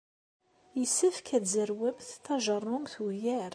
Yessefk ad tzerwemt tajeṛṛumt ugar.